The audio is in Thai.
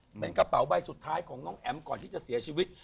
เป็นกระเป๋าใบสุดท้ายของน้องแอ๋มก่อนที่จะเสียชีวิต